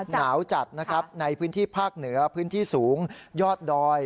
หนาวจัดนะครับในพื้นที่ภาคเหนือพื้นที่สูงยอดดอย